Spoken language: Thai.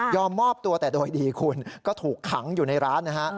มอบตัวแต่โดยดีคุณก็ถูกขังอยู่ในร้านนะฮะ